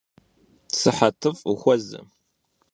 Sıhetıf' vuxueze!